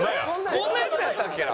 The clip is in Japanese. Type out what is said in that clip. こんなヤツやったっけな？